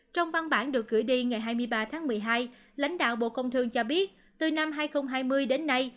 trong văn bản được gửi đi ngày hai mươi ba tháng một mươi hai lãnh đạo bộ công thương cho biết từ năm hai nghìn hai mươi đến nay